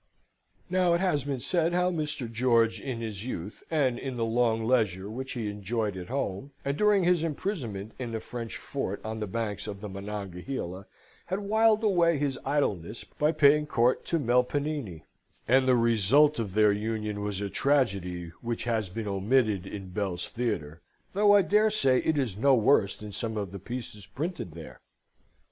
Now, it has been said how Mr. George in his youth, and in the long leisure which he enjoyed at home, and during his imprisonment in the French fort on the banks of Monongahela, had whiled away his idleness by paying court to Melpomene; and the result of their union was a tragedy, which has been omitted in Bell's Theatre, though I dare say it is no worse than some of the pieces printed there.